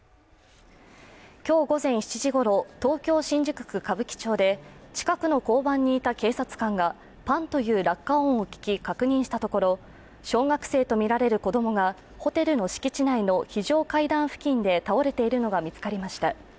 今日午前７時ごろ、東京・新宿区歌舞伎町で近くの交番にいた警察官がパンという落下音を聞き、確認したところ、小学生とみられる子供がホテルの敷地内の非常階段付近で倒れているのが見つかりました。